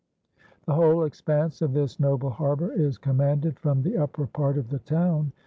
The whole expanse of this noble harbour is commanded from the upper part of the town.